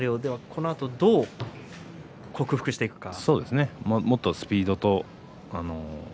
このあと、どう克服していくか。